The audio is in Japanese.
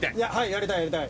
やりたいやりたい。